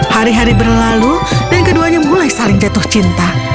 hari hari berlalu dan keduanya mulai saling jatuh cinta